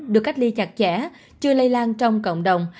được cách ly chặt chẽ chưa lây lan trong cộng đồng